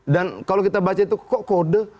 dan kalau kita baca itu kok kode